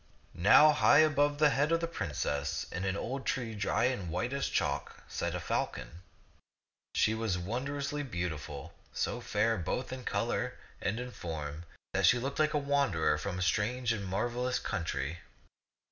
Now high above the head of the princess, in an old tree dry and white as chalk, sat a falcon. She was wondrously beautiful, so fair both in color and in form t^t ^(\uxxeB t<xk 175 that she looked Uke a wanderer from some strange and marvelous country.